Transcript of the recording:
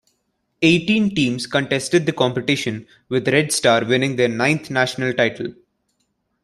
Eighteen teams contested the competition, with Red Star winning their ninth national title.